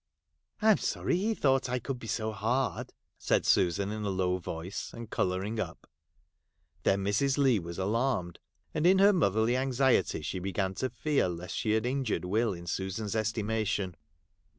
' I 'm sorry he thought I could be so hard,' said Susan in a low voice, and colouring up. Then Mrs. Leigh was alarmed, and in her motherly anxiety, she began to fear lest she had injured Will in Susan's estimation.